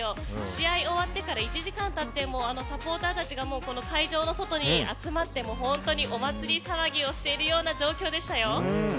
試合が終わってから１時間経ってもサポーターたちがこの会場の外に集まって本当にお祭り騒ぎをしているような状況でしたよ。